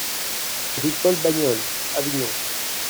Rue Paul Bagnol, Avignon